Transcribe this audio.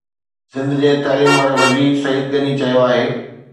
سنڌ جي تعليم واري وزير سعيد غني چيو آهي